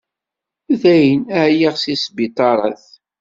Dayen, ɛyiɣ seg sbiṭarat.